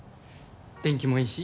天気もいいし。